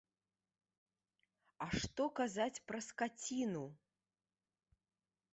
А што казаць пра скаціну!